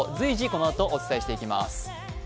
このあと、お伝えしていきます